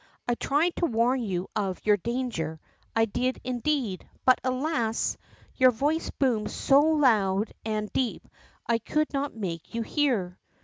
I tried to warn you of your danger, I did indeed, but alas! your voice boomed so loud and deep I could not make you hear."